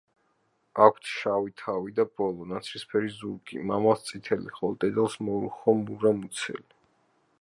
აქვთ შავი თავი და ბოლო, ნაცრისფერი ზურგი, მამალს წითელი, ხოლო დედალს მორუხო-მურა მუცელი.